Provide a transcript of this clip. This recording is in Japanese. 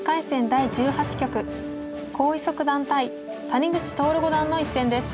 第１８局黄翊祖九段対谷口徹五段の一戦です。